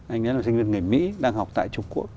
anh em là sinh viên người mỹ đang học tại trung quốc